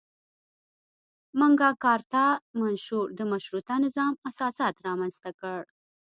مګناکارتا منشور د مشروطه نظام اساسات رامنځته کړل.